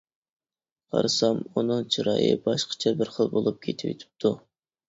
قارىسام ئۇنىڭ چىرايى باشقىچە بىر خىل بولۇپ كېتىۋېتىپتۇ.